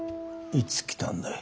いつ来たんだい？